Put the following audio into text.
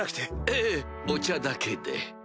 ええお茶だけで。